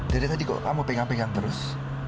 dari tadi kok kamu pengang pengang terus